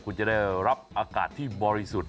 คุณจะได้รับอากาศที่บริสุทธิ์